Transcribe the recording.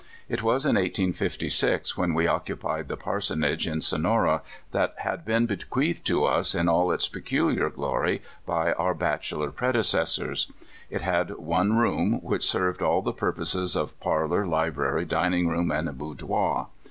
It was in 185C, when we occupied the parsonage in Sonora that had been bequeathed to us in all its peculiar glory by our bachelor predecessors, It had one room, which served all the purposes of parlor, library, dining room, and boudoir.